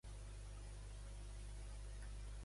En què es van convertir els plors de Meleàgrides?